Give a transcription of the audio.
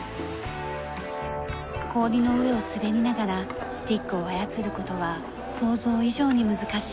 氷の上を滑りながらスティックを操る事は想像以上に難しい。